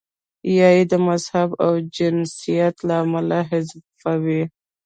یا یې د مذهب او جنسیت له امله حذفوي.